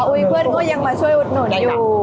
เพื่อนก็ยังมาช่วยอุดหนุนอยู่